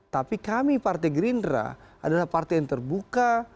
tapi kami partai gerindra adalah partai yang terbuka